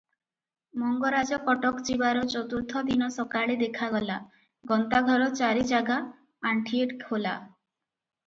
ମଙ୍ଗରାଜ କଟକ ଯିବାର ଚତୁର୍ଥ ଦିନ ସକାଳେ ଦେଖାଗଲା, ଗନ୍ତାଘର ଚାରିଜାଗା ଆଣ୍ଠିଏ ଖୋଳା ।